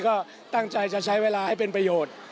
ก็ตั้งใจจะใช้เวลาให้เป็นประโยชน์